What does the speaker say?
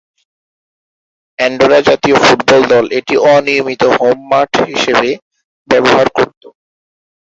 Andorra জাতীয় football দল এটি অনিয়মিত হোম মাঠ হিসাবে ব্যবহার করতো।